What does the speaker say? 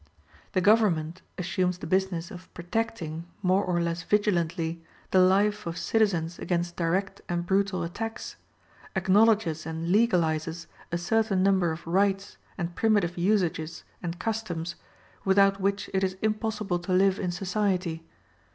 The government assumes the business of protecting, more or less vigilantly, the life of citizens against direct and brutal attacks; acknowledges and legalizes a certain number of rights and primitive usages and customs, without which it is impossible to live in society.